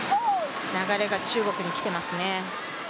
流れが中国に来てますね。